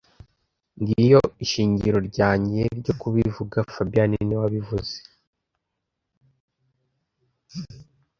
Ngiyo ishingiro ryanjye ryo kubivuga fabien niwe wabivuze